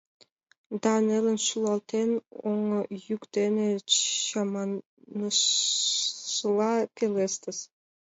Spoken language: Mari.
Да нелын шӱлалтен, оҥ йӱк дене чаманышыла пелештыш: